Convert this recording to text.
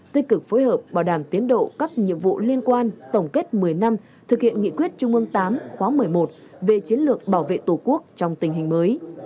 tích cực phối hợp bảo đảm tiến độ các nhiệm vụ liên quan tổng kết một mươi năm thực hiện nghị quyết trung ương viii khóa một mươi một về chiến lược bảo vệ tổ quốc trong tình hình mới